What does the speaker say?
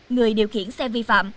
người điều khiển xe vi phạm